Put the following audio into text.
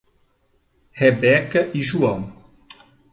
Rebeca e João